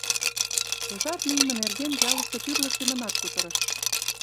Пожар лийме нерген ялыште тӱрлӧ семынат кутырышт.